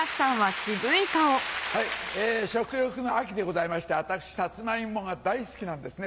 食欲の秋でございまして私サツマイモが大好きなんですね。